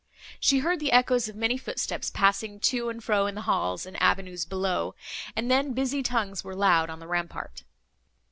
She heard the echoes of many footsteps, passing to and fro in the halls and avenues below, and then busy tongues were loud on the rampart.